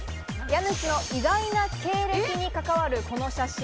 家主の意外な経歴に関わるこの写真。